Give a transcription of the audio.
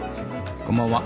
こんばんは。